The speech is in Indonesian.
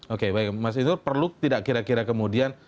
oke baik mas isnur perlu tidak kira kira kemudian